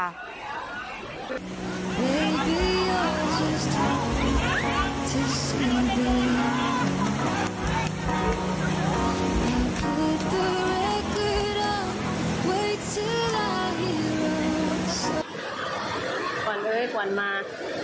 ขวัญเอ้ยขวัญมา